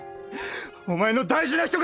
⁉お前の大事な人か⁉